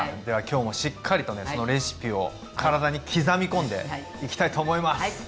では今日もしっかりとねそのレシピを体に刻み込んでいきたいと思います！